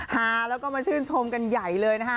ฮาแล้วก็มาชื่นชมกันใหญ่เลยนะคะ